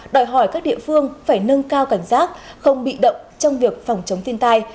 đòi hỏi các địa phương phải nâng cao cảnh giác không bị động trong việc phòng chống thiên tai